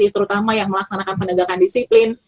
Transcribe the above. terutama yang melaksanakan penegakan disiplin